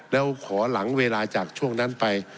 แล้วขอหลังเวลาจากช่วงนั้นไป